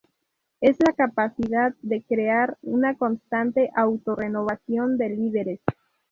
Es la capacidad de crear una constante auto-renovación de líderes.